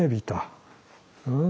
うん？